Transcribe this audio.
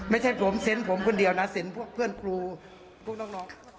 ไม่ใช่ผมเซ็นผมคนเดียวนะเซ็นต์พวกเพื่อนครูพวกน้อง